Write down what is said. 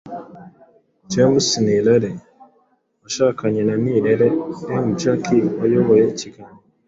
James Nirere washakanye na Nirere M. Jackie wayoboye ikiganiro,